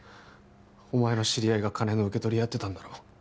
お前の知り合いが金の受け取りやってたんだろ？